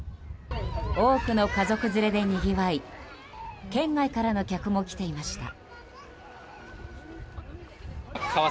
多くの家族連れでにぎわい県外からの客も来ていました。